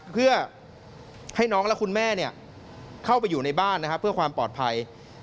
เพื่อให้น้องและคุณแม่เข้าไปอยู่ในบ้านเพื่อความปลอดภัย